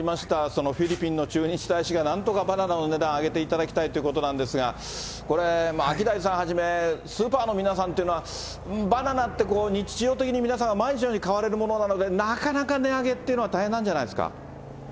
そのフィリピンの駐日大使がなんとかバナナの値段上げていただきたいということなんですが、これ、アキダイさんはじめ、スーパーの皆さんっていうのは、バナナって日常的に皆さんが毎日のように買われるものなので、なかなか値上げっていうのは大変なんじゃないですか。